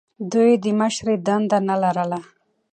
دوی یې د مشرۍ دنده نه لرله.